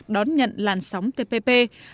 đón nhận làn sóng tpp